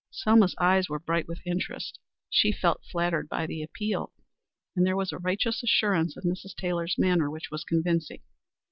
Selma's eyes were bright with interest. She felt flattered by the appeal, and there was a righteous assurance in Mrs. Taylor's manner which was convincing.